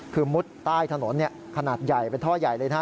คือมุดใต้ถนนขนาดใหญ่เป็นท่อใหญ่เลยนะฮะ